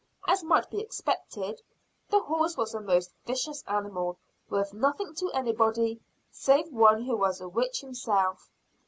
As might be expected, the horse was a most vicious animal, worth nothing to anybody save one who was a witch himself.